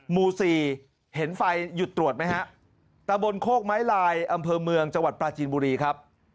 หมู่สี่เห็นไฟหยุดตรวจไหมฮะตะบนโคกไม้ลายอำเภอเมืองจังหวัดปลาจีนบุรีครับ